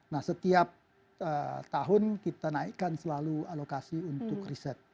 nah setiap tahun kita naikkan selalu alokasi untuk riset